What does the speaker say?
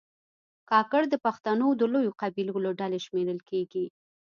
کاکړ د پښتنو د لویو قبیلو له ډلې شمېرل کېږي.